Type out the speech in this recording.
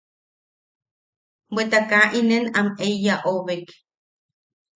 Bwe kaa ne inen am eiya oʼobek.